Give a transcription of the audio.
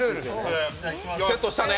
セットしたね。